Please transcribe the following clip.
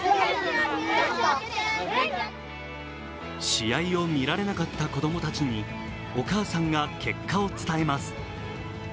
試合を見られなかった子供たちにお母さんが結果を伝えます。